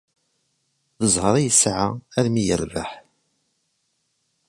D zzheṛ ay yesɛa armi ay yerbeḥ.